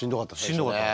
しんどかった。